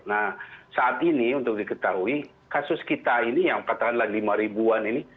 nah saat ini untuk diketahui kasus kita ini yang katakanlah lima ribuan ini